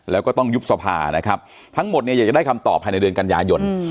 แล้วก็ต้องยุบสภานะครับทั้งหมดเนี่ยอยากจะได้คำตอบภายในเดือนกันยายน